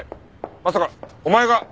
まさかお前が！